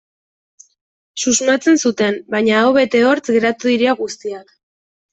Susmatzen zuten, baina aho bete hortz geratu dira guztiak.